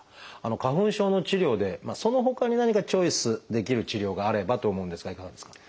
花粉症の治療でそのほかに何かチョイスできる治療があればと思うんですがいかがですか？